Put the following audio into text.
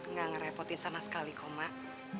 nggak ngerepotin sama sekali kok mak